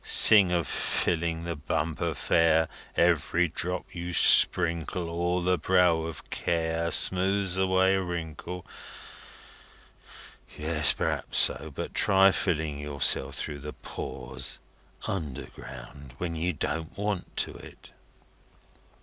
Sing of Filling the bumper fair, Every drop you sprinkle, O'er the brow of care, Smooths away a wrinkle? Yes. P'raps so. But try filling yourself through the pores, underground, when you don't want to it!"